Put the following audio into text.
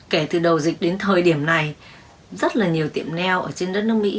kể từ đầu dịch đến thời điểm này rất là nhiều tiệm neo ở trên đất nước mỹ